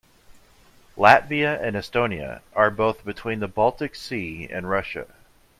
Latvia and Estonia are both between the Baltic Sea and Russia.